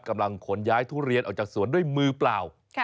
กำลังขนย้ายทุเรียนออกจากสวนด้วยมือเปล่า